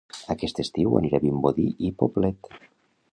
Aquest estiu aniré a Vimbodí i Poblet